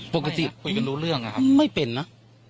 พวกนี้ไม่เป็นนะ